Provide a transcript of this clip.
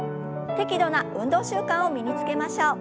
適度な運動習慣を身につけましょう。